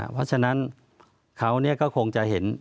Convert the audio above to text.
เพราะฉะนั้นเขาก็คงจะเห็น